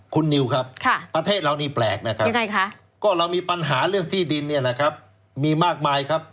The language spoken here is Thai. คุณนิวครับประเทศเรานี่แปลกนะครับยังไงคะก็เรามีปัญหาเรื่องที่ดินเนี่ยนะครับมีมากมายครับ